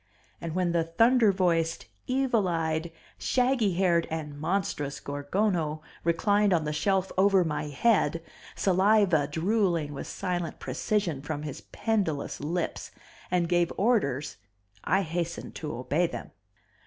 And when the thunder voiced, evil eyed, shaggy haired and monstrous Gorgono reclined on the shelf over my head, saliva drooling with silent precision from his pendulous lips, and gave orders I hastened to obey them.